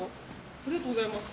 ありがとうございます。